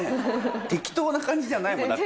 適当な感じじゃないもん。